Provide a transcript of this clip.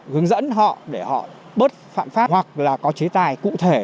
hướng dẫn họ để họ bớt phạm pháp hoặc là có chế tài cụ thể